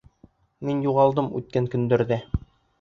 Мин юғалдым үткән көндәрҙә.